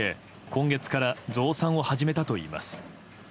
今月から増産を始めたといいます。